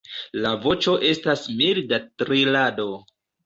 La voĉo estas milda trilado.